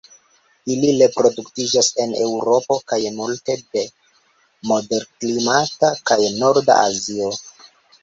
Ili reproduktiĝas en Eŭropo kaj multe de moderklimata kaj norda Azio.